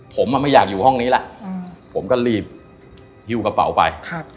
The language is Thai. ผมไม่อยากอยู่ห้องนี้แล้วผมก็รีบหิ้วกระเป๋าไป